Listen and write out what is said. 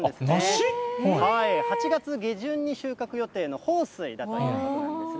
８月下旬に収穫予定の豊水だということなんですね。